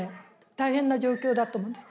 大変な状況だと思うんです。